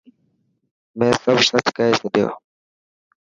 مين سب سچ ڪئي ڇڏيو.